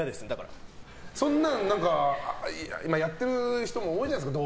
そんなん、やってる人も多いじゃないですか